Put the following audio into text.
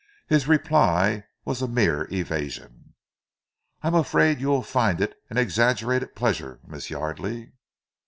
His reply was a mere evasion. "I am afraid you will find it an exaggerated pleasure, Miss Yardely."